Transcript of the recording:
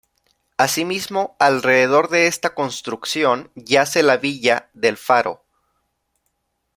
Asimismo, alrededor de esta construcción yace la villa del Faro.